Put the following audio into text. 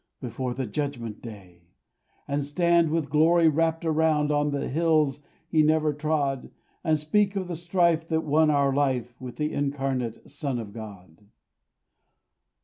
Before the judgment day, And stand, with glory wrapped around, On the hills he never trod, And speak of the strife that won our life With the incarnate Son of God.